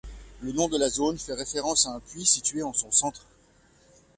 Le nom de la zone fait référence à un puits situé en son centre.